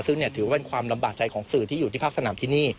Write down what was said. ซึ่งถือว่าเป็นความลำบากใจของสื่อที่อยู่ที่ภาคสนามที่นี่